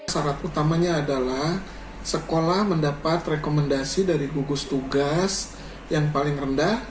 syarat utamanya adalah sekolah mendapat rekomendasi dari gugus tugas yang paling rendah